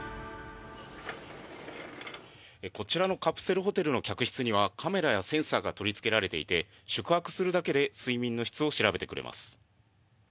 こちらのカプセルホテルの客室には、カメラやセンサーが取り付けられていて、宿泊するだけで睡眠の質を調べてくれます。